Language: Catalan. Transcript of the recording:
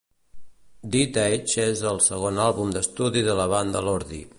Deadache és el segon àlbum d'estudi de la banda Lordi.